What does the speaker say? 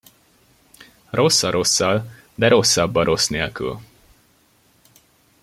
Rossz a rosszal, de rosszabb a rossz nélkül.